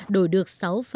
đổi được sáu năm